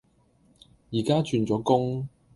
而家轉咗工